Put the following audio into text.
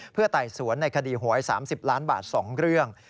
ไต่สวนในคดีหวย๓๐ล้านบาท๒เรื่อง